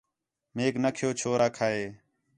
میک نہ کھیو چھور آکھا ہِے